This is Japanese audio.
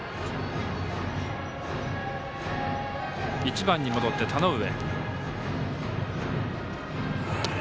１番に戻って田上。